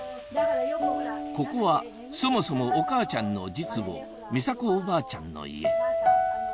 ここはそもそもお母ちゃんの実母みさ子おばあちゃんの家